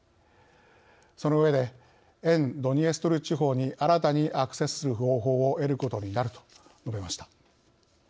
その上で「沿ドニエストル地方に新たにアクセスする方法を得ることになる」と述べました。